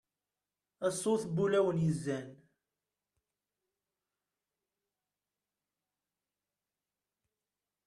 a sut n wulawen yezzan